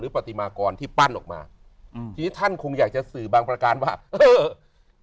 กฎิมาร์ที่ปั้นออกมาที่ท่านคงอยากจะสึกบางประการว่าเกิด